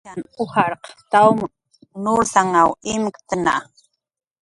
Ayshan ujarq tawm nursanw imktna